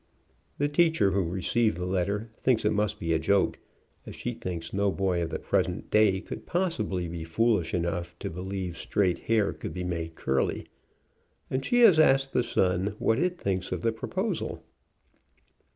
The teacher who received the letter thinks it must be a joke, as she thinks no boy of the present day could possibly be foolish enough to be lieve straight hair could be made curly, and she has asked The Sun what it thinks of the proposal.